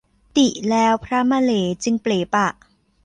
ตริแล้วพระมะเหลจึงเป๋ปะ